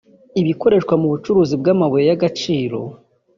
ibikoreshwa mu bucukuzi bw’amabuye y’agaciro